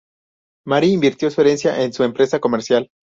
Mary invirtió su herencia en su empresa comercial.